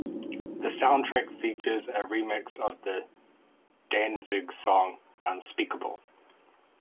The soundtrack features a remix of the Danzig song "Unspeakable".